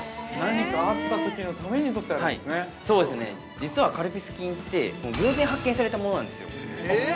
実はカルピス菌って、偶然発見されたものなんですよ。